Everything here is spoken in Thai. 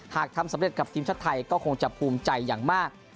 หากทำสำเร็จกับทีมชาติไทยก็คงจะภูมิใจอย่างมาก